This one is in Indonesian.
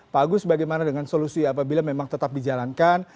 pak agus bagaimana dengan solusi apabila memang tetap dijalankan